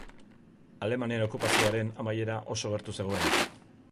Alemanen okupazioaren amaiera oso gertu zegoen.